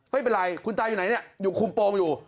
ไม่เป็นไรคุณตาอยู่ไหนเนี่ยอยู่คุมโปรงอยู่